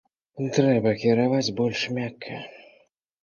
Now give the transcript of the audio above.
Трэба кіраваць больш мякка.